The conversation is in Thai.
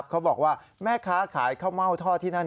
เขาบอกว่าแม่ค้าขายข้าวเม่าทอดที่นั่น